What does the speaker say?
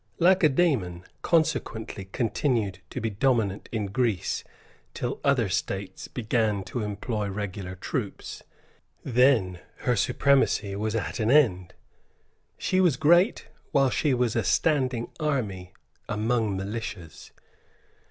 Lacedaemon consequently continued to be dominant in Greece till other states began to employ regular troops. Then her supremacy was at an end. She was great while she was a standing army among militias.